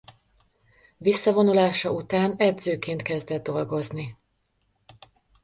Visszavonulása után edzőként kezdett dolgozni.